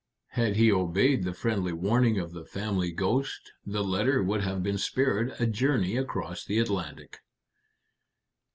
Had he obeyed the friendly warning of the family ghost, the letter would have been spared a journey across the Atlantic."